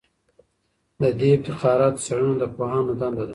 د دې افتخاراتو څېړنه د پوهانو دنده ده